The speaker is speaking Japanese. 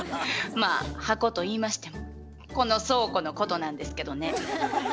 まあ箱といいましてもこの倉庫のことなんですけどね。